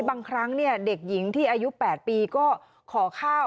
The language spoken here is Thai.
บางครั้งเด็กหญิงที่อายุ๘ปีก็ขอข้าว